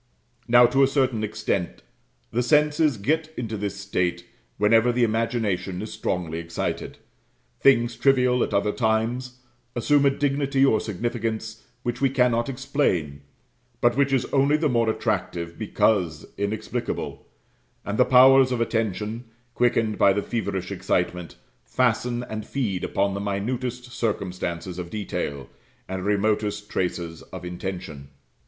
Now, to a certain extent, the senses get into this state whenever the imagination is strongly excited. Things trivial at other times assume a dignity or significance which we cannot explain; but which is only the more attractive because inexplicable: and the powers of attention, quickened by the feverish excitement, fasten and feed upon the minutest circumstances of detail, and remotest traces of intention.